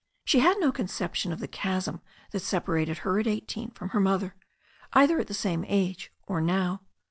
She had no conception of the chasm that sep arated her at eighteen from her mother, either at the same age or now.